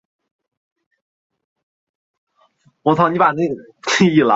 腺毛蹄盖蕨为蹄盖蕨科蹄盖蕨属下的一个种。